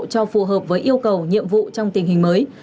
cho phù hợp với yêu cầu nhiệm vụ trong tình hình mới